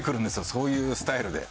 そういうスタイルで。